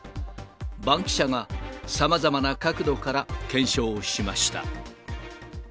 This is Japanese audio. バンキシャがさまざまな角度から検証しました。